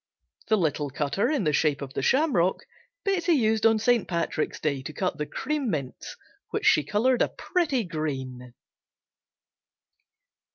The little cutter in the shape of the shamrock Betsey used on St. Patrick's Day to cut the "Cream Mints," which she colored a pretty green.